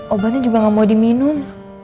obatnya juga nggak mau diminum